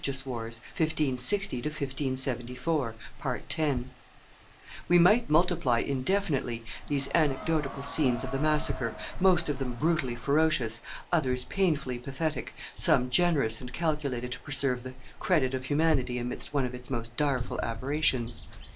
[Illustration: The Queen of Navarre and the Huguenot 372] We might multiply indefinitely these anecdotical scenes of the massacre, most of them brutally ferocious, others painfully pathetic, some generous and calculated to preserve the credit of humanity amidst one of its most direful aberrations.